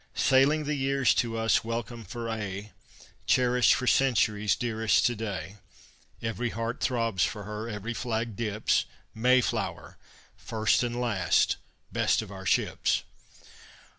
Sailing the years to us, welcomed for aye; Cherished for centuries, dearest to day. Every heart throbs for her, every flag dips Mayflower! First and last best of our ships!